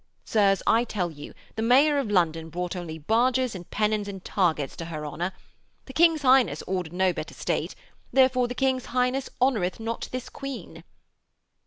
Sirs, I tell you the Mayor of London brought only barges and pennons and targets to her honour. The King's Highness ordered no better state; therefore the King's Highness honoureth not this Queen.'